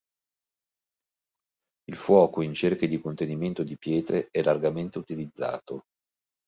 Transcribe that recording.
Il fuoco, in cerchi di contenimento di pietre, è largamente utilizzato.